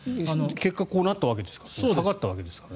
結果こうなったわけですからね下がったわけですから。